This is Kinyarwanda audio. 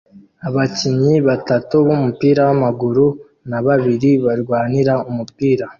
Abakinnyi batatu b'umupira w'amaguru na babiri barwanira umupira